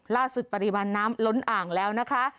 ปริมาณน้ำล้นอ่างแล้วนะคะ